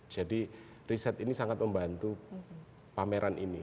jadi riset ini sangat membantu pameran ini